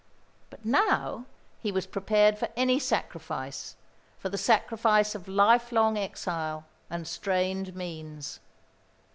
But now he was prepared for any sacrifice for the sacrifice of life long exile, and strained means.